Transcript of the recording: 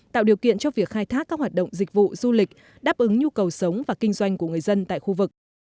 tạo điều kiện cho việc khai thác các hoạt động dịch vụ du lịch đáp ứng nhu cầu sống và kinh doanh của người dân tại khu vực